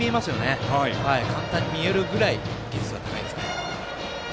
簡単に見えるぐらい技術が高いです。